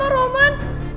masa gue udah ngasih tau